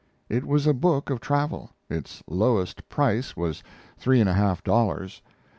It was a book of travel; its lowest price was three and a half dollars.